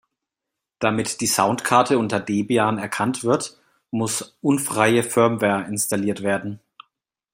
Damit die Soundkarte unter Debian erkannt wird, muss unfreie Firmware installiert werden.